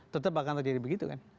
tetap akan terjadi begitu kan